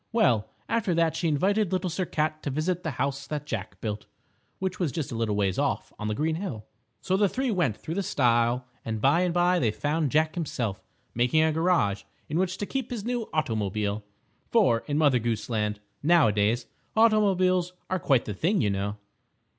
Well, after that she invited Little Sir Cat to visit the House that Jack Built, which was just a little ways off on the green hill. So the three went through the stile and by and by they found Jack himself making a garage in which to keep his new automobile, for in Mother Goose Land, now a days, automobiles are quite the thing, you know.